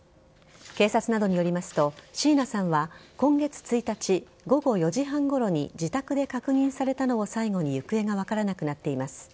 警察などによりますと椎名さんは今月１日午後４時半ごろに自宅で確認されたのを最後に行方が分からなくなっています。